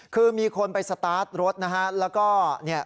คือมีคนไปสตาร์ทรถนะฮะแล้วก็เนี่ย